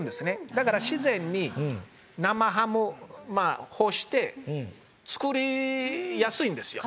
だから自然に生ハム干して作りやすいんですよ